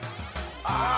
ああ。